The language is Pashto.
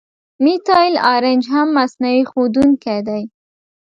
میتایل آرنج هم مصنوعي ښودونکی دی.